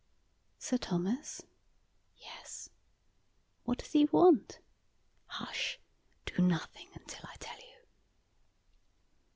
"Sir Thomas?" "Yes." "What does he want?" "Hush! Do nothing until I tell you."